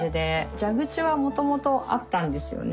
蛇口はもともとあったんですよね。